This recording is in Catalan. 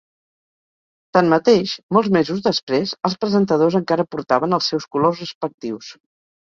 Tanmateix, molts mesos després els presentadors encara portaven els seus colors respectius.